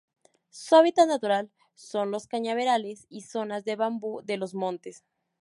Su hábitat natural son los cañaverales y zonas de bambú de los montes.